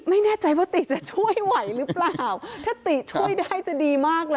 ไม่แน่ใจว่าติจะช่วยไหวหรือเปล่าถ้าติช่วยได้จะดีมากเลย